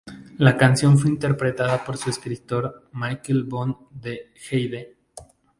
La canción fue interpretada por su escritor, Michael Von der Heide.